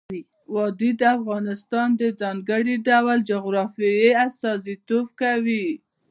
وادي د افغانستان د ځانګړي ډول جغرافیه استازیتوب کوي.